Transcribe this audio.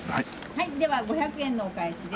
はいでは５００円のお返しです。